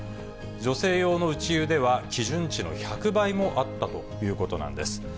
女性用の内湯では、基準値の１００倍もあったということなんです。